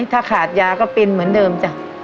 ถ้าขาดยาก็เป็นเหมือนเดิมจ้ะ